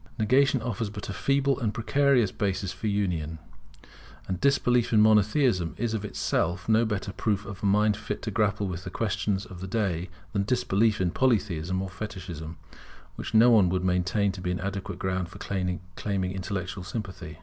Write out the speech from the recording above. Negation offers but a feeble and precarious basis for union: and disbelief in Monotheism is of itself no better proof of a mind fit to grapple with the questions of the day than disbelief in Polytheism or Fetichism, which no one would maintain to be an adequate ground for claiming intellectual sympathy.